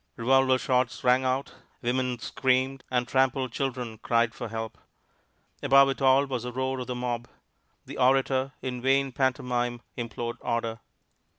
Revolver shots rang out, women screamed, and trampled children cried for help. Above it all was the roar of the mob. The orator, in vain pantomime, implored order.